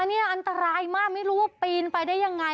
อันนี้อันตรายมากไม่รู้ว่าปีนไปได้ยังไง